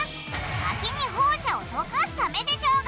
先にホウ砂を溶かすためでしょうが！